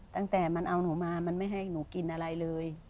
ตั้งแต่มันเอาหนูมามันไม่ให้หนูกินอะไรเลย